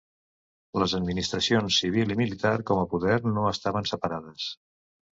Les administracions civil i militar, com a poder, no estaven separades.